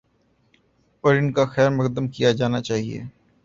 اور ان کا خیر مقدم کیا جانا چاہیے۔